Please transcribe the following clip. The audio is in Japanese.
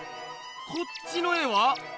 こっちの絵は？